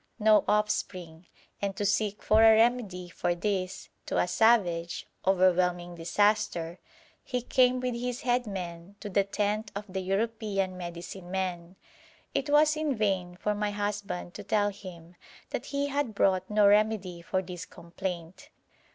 no offspring, and to seek for a remedy for this, to a savage, overwhelming disaster, he came with his head men to the tent of the European medicine men. It was in vain for my husband to tell him that he had brought no remedy for this complaint.